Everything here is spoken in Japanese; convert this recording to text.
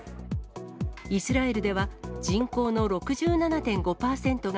イスラエルでは人口の６７．５％が、